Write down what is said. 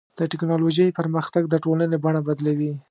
د ټکنالوجۍ پرمختګ د ټولنې بڼه بدلوي.